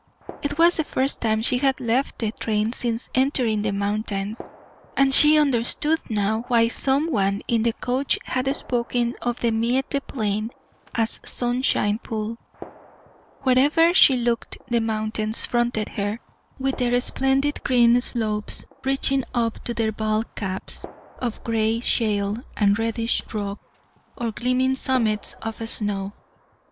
It was the first time she had left the train since entering the mountains, and she understood now why some one in the coach had spoken of the Miette Plain as Sunshine Pool. Where ever she looked the mountains fronted her, with their splendid green slopes reaching up to their bald caps of gray shale and reddish rock or gleaming summits of snow.